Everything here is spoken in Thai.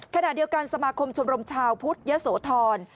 ขณะเดียวกันสมาคมชมรมชาวพุทธยะโสธร